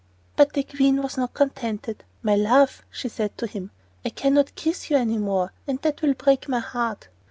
But the Queen was not contented. "My love," she said to him, "I can not kiss you any more, and that will break my heart."